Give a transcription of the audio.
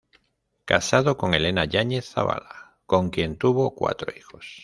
Casado con Elena Yáñez Zavala, con quien tuvo cuatro hijos.